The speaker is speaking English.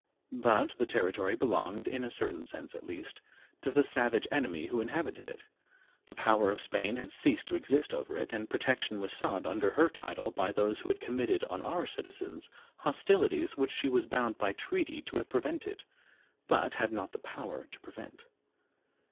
But the territory belonged, in a certain sense at least, to the savage enemy who inhabited it; the power of Spain had ceased to exist over it, and protection was sought under her title by those who had committed on our citizens hostilities which she was bound by treaty to have prevented, but had not the power to prevent.